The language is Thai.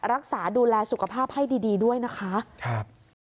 รักษาดูแลสุขภาพให้ดีด้วยนะคะครับ